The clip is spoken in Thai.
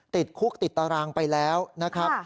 ติดคุกติดตารางไปแล้วนะครับ